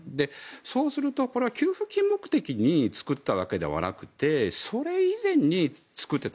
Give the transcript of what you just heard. そうすると、これは給付金目的に作ったわけではなくてそれ以前に作っていた。